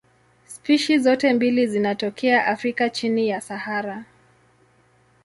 Spishi zote mbili zinatokea Afrika chini ya Sahara.